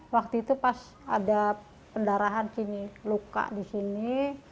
waktu itu pas ada pendarahan luka di sini